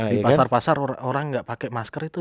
di pasar pasar orang gak pake masker itu